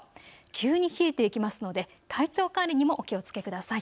急に冷えていきますので体調管理にもお気をつけください。